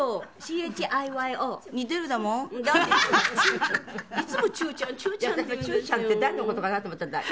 私もチューちゃんって誰の事かなと思っていたら。